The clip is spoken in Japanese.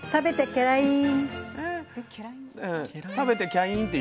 けらいん！